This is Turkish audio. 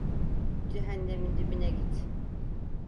Cehennemin dibine git!